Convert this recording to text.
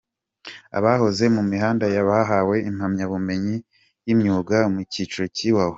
Abahoze mu mihanda bahawe impamyabumenyi z’imyuga Mucyiko Cya Iwawa